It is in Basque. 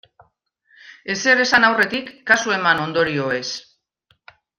Ezer esan aurretik, kasu eman ondorioez.